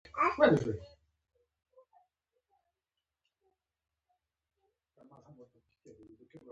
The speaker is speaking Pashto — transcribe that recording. مرکه باید د انساني حرمت نښه وي.